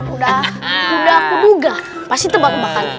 udah udah aku duga pasti tebak tebakan